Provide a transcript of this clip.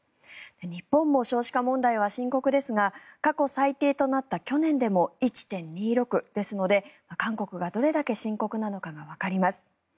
日本も少子化問題は深刻ですが過去最低となった去年でも１．２６ですので韓国がどれだけ深刻なのかがわかります。